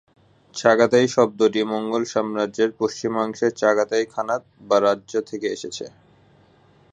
Chagatai শব্দটি Mongol সাম্রাজ্যের পশ্চিমাংশের চাগাতাই খানাত বা রাজ্য থেকে এসেছে।